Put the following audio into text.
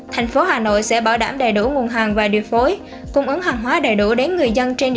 thành phố hà nội sẽ bảo đảm đầy đủ nguồn hàng và điều phối cung ứng hàng hóa đầy đủ đến người dân trên địa